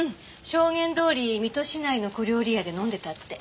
証言どおり水戸市内の小料理屋で飲んでたって。